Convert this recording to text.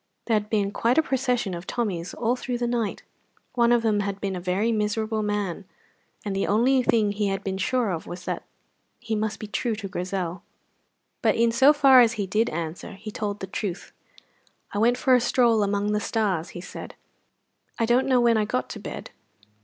There had been quite a procession of Tommies all through the night; one of them had been a very miserable man, and the only thing he had been sure of was that he must be true to Grizel. But in so far as he did answer he told the truth. "I went for a stroll among the stars," he said. "I don't know when I got to bed.